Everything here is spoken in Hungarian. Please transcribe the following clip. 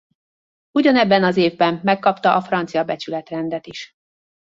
Ugyanebben az évben megkapta a francia becsületrendet is.